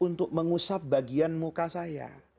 untuk mengusap bagian muka saya